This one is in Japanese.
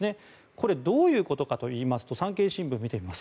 これ、どういうことかといいますと産経新聞を見てみます。